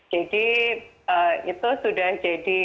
jadi itu sudah jadi